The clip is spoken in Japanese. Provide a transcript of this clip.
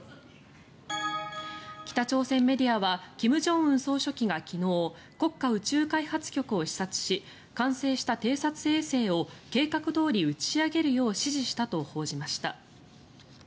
北朝鮮メディアは金正恩総書記が昨日国家宇宙開発局を視察し完成した偵察衛星を計画どおり打ち上げるよう指示したと報じました。